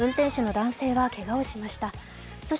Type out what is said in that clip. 運転手の男性はけがをしました。